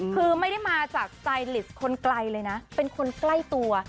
คือไม่ได้มาจากไซลิสต์คนไกลเลยนะเป็นคนใกล้ตัว